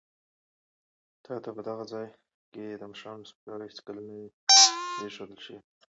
تا ته په دغه ځای کې د مشرانو سپکاوی هېڅکله نه دی ښوول شوی.